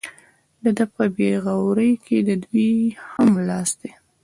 د ده په بې غورۍ کې د دوی هم لاس دی.